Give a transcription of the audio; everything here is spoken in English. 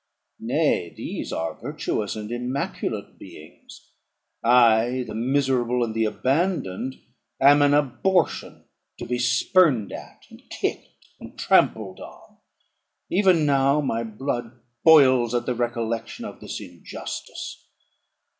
Nay, these are virtuous and immaculate beings! I, the miserable and the abandoned, am an abortion, to be spurned at, and kicked, and trampled on. Even now my blood boils at the recollection of this injustice.